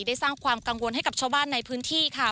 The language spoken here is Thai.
ได้สร้างความกังวลให้กับชาวบ้านในพื้นที่ค่ะ